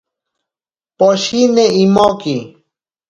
Poshini imoki.